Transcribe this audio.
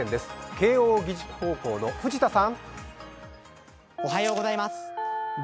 慶応義塾高校の藤田さん。